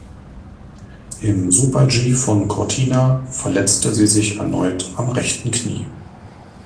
Im Super-G von Cortina verletzte sie sich erneut am rechten Knie.